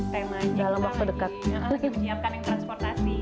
temanya kita lagi menyiapkan yang transportasi